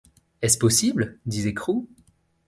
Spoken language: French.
Est-ce possible ? disait Crew.